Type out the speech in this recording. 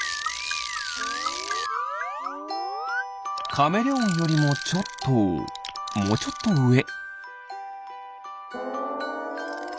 カメレオンよりもちょっともうちょっとうえ。